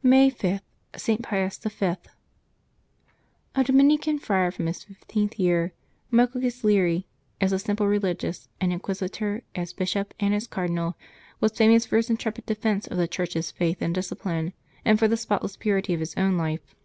May 5. ST. PIUS V. H Dominican friar from his fifteenth year, Michael Ghislieri, as a simple religious, as inquisitor, as bishop, and as cardinal, was famous for his intrepid defence of the Church's faith and discipline, and for the spotless purity of his own life.